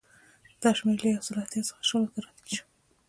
دا شمېر له یو سوه اتیا څخه شلو ته راټیټ شو